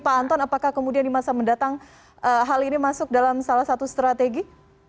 pak anton apakah kemudian di masa mendatang hal ini masuk dalam salah satu strategi